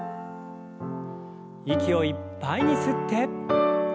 息をいっぱいに吸って。